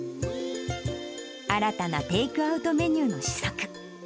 新たなテイクアウトメニューの試作。